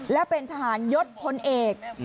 และเป็นทหารยศพลเอก